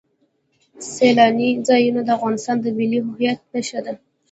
سیلاني ځایونه د افغانستان د ملي هویت نښه ده.